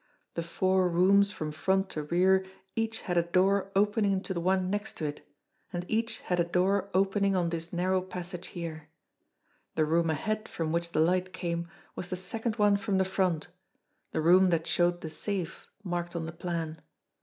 The four rooms from front to rear each had a door opening into the one next to it, and each had a door opening on this narrow passage here. The room ahead from which the light came was the second one from the front, the room that showed the safe marked on the plan.